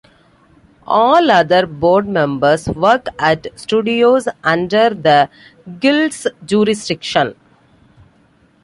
All other Board members work at studios under the Guild's jurisdiction.